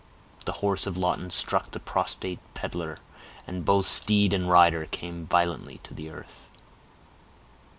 The horse of Lawton struck the prostrate peddler, and both steed and rider came violently to the earth.